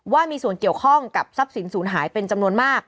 ว่ามีส่วนเกี่ยวข้องกับทรัพย์สินศูนย์หายเป็นจำนวนมาก